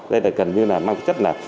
đây là cần như là mang cái chất là